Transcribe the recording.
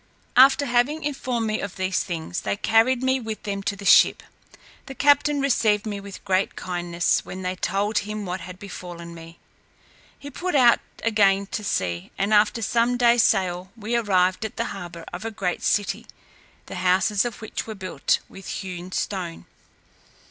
After having informed me of these things, they carried me with them to the ship; the captain received me with great kindness, when they told him what had befallen me. He put out again to sea, and after some days' sail, we arrived at the harbour of a great city, the houses of which were built with hewn stone.